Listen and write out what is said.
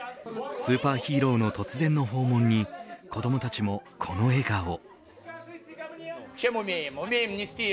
スーパーヒーローの突然の訪問に子どもたちもこの笑顔。